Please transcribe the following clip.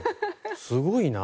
すごいな。